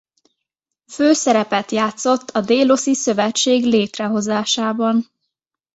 Főszerepet játszott a Déloszi Szövetség létrehozásában.